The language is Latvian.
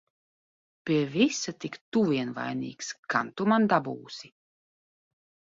Pie visa tik tu vien vainīgs! Gan tu man dabūsi!